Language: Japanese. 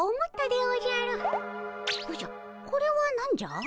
おじゃこれは何じゃ？